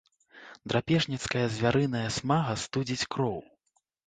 Драпежніцкая звярыная смага студзіць кроў.